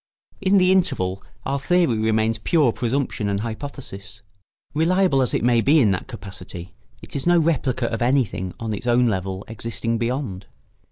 In the interval our theory remains pure presumption and hypothesis. Reliable as it may be in that capacity, it is no replica of anything on its own level existing beyond.